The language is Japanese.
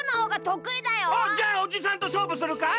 おっじゃあおじさんとしょうぶするかい？